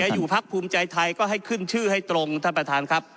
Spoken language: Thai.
อยู่พักภูมิใจไทยก็ให้ขึ้นชื่อให้ตรงท่านประธานครับ